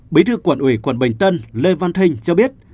bí thư quận ủy quận bình tân lê văn thinh cho biết